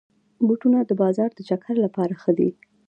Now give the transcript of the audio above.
بوټونه د بازار د چکر لپاره ښه دي.